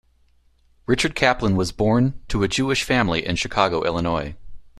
Richard Kaplan was born to a Jewish family in Chicago, Illinois.